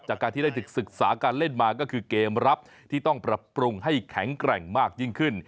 จากการที่ได้ศึกษาการเล่นมาก็คือเกมรับที่ต้องปรับปรุงให้แข็งแกร่งมากยิ่งขึ้น